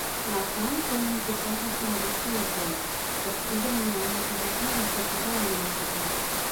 Latham fou un important racionalista i ateu, després d'abandonar el metodisme del seu pare a la universitat.